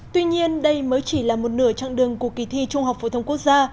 tuy nhiên đây mới chỉ là một nửa chặng đường của kỳ thi trung học phổ thông quốc gia